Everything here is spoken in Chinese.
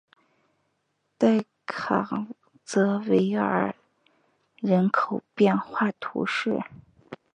代卡泽维尔人口变化图示